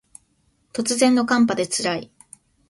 突然の寒波で辛い